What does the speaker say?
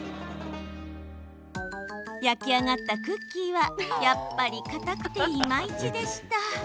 焼き上がったクッキーはやっぱり、かたくていまいちでした。